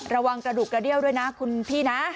ระวังกระดูกกระเดี้ยวด้วยนะคุณพี่นะ